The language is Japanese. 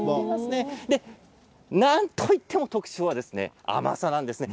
なんといっても特徴は甘さなんですね。